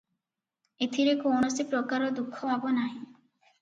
ଏଥିରେ କୌଣସି ପ୍ରକାର ଦୁଃଖ ଭାବ ନାହିଁ ।"